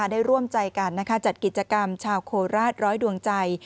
ได้ร่วมใจกันจัดกิจกรรมชาวโคราชร้อยดวงใจ